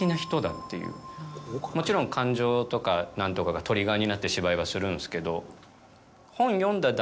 もちろん感情とか何とかがトリガーになって芝居はするんすけど。